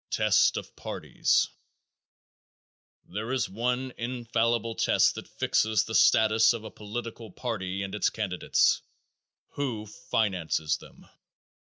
Test of Parties. There is one infallible test that fixes the status of a political party and its candidates. Who finances them?